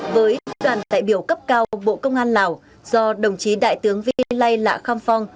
với đoàn đại biểu cấp cao bộ công an lào do đồng chí đại tướng vi lây lạ kham phong